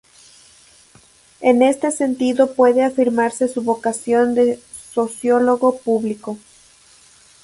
En este sentido puede afirmarse su vocación de sociólogo público.